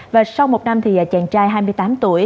và sau một năm thì chàng trai hai mươi tám tuổi